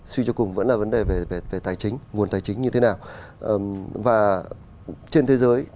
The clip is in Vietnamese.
suy cho cùng vẫn là vấn đề về tài chính nguồn tài chính như thế nào